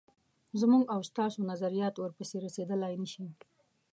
زموږ او ستاسو نظریات ورپسې رسېدلای نه شي.